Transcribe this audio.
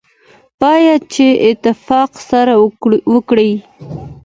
باید چې اتفاق سره وکړي.